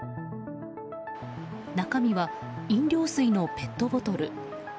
中身は飲料水のペットボトル。